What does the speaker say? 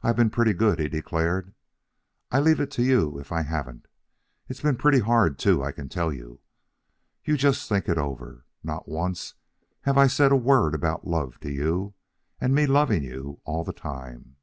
"I've been pretty good," he declared. "I leave it to you if I haven't. It's been pretty hard, too, I can tell you. You just think it over. Not once have I said a word about love to you, and me loving you all the time.